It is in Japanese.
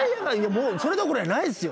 もうそれどころやないっすよ。